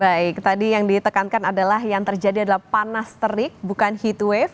baik tadi yang ditekankan adalah yang terjadi adalah panas terik bukan heat wave